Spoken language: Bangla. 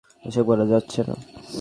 এসব করা যাবে না।